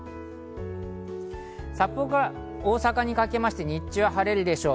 札幌から大阪にかけまして日中は晴れるでしょう。